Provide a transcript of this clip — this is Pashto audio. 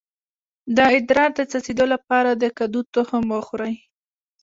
د ادرار د څڅیدو لپاره د کدو تخم وخورئ